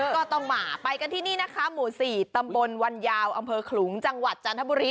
ก็ต้องมาไปกันที่นี่นะคะหมู่๔ตำบลวันยาวอำเภอขลุงจังหวัดจันทบุรี